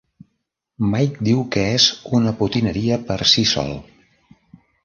Mike diu que és "una potineria per si sol".